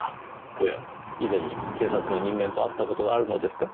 おや以前に警察の人間と会った事があるのですか？